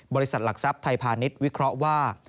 บริษัทหลักทรัพย์ไทยพาณิชย์วิเคราะห์ว่า